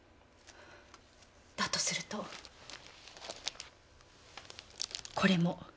だとするとこれも。